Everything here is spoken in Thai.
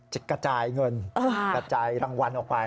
กระจายเงินกระจายรางวัลออกไป